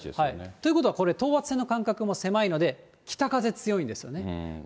ということはこれ、等圧線の間隔も狭いので、北風強いんですよね。